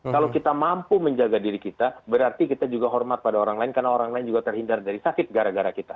kalau kita mampu menjaga diri kita berarti kita juga hormat pada orang lain karena orang lain juga terhindar dari sakit gara gara kita